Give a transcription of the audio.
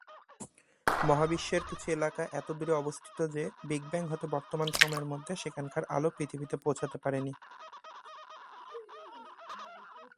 মহাবিশ্বের কিছু এলাকা এত দূরে অবস্থিত যে বিগ ব্যাং হতে বর্তমান সময়ের মধ্যে সেখানকার আলো পৃথিবীতে পৌঁছাতে পারেনি।